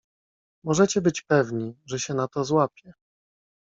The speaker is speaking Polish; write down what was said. "Możecie być pewni, że się na to złapie."